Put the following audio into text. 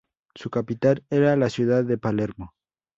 Su capital era la ciudad de Palermo.